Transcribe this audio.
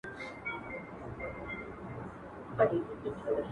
!شپېلۍ،